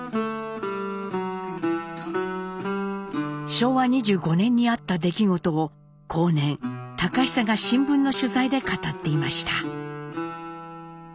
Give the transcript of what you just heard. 昭和２５年にあった出来事を後年隆久が新聞の取材で語っていました。